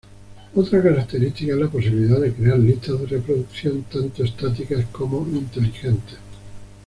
Otra característica es la posibilidad de crear listas de reproducción, tanto estáticas como inteligentes.